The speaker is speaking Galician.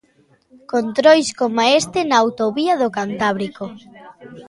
Controis coma este na autovía do Cantábrico.